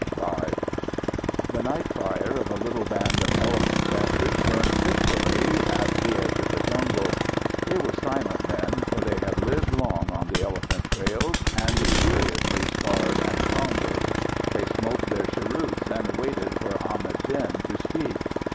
V The night fire of a little band of elephant catchers burned fitfully at the edge of the jungle. They were silent men for they had lived long on the elephant trails and curiously scarred and sombre. They smoked their cheroots, and waited for Ahmad Din to speak.